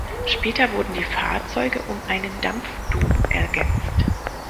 Später wurden die Fahrzeuge um einen Dampfdom ergänzt.